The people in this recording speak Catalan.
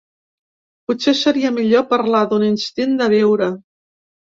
Potser seria millor parlar d’un ‘instint’ de viure.